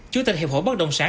chủ tịch hiệp hội bất động sản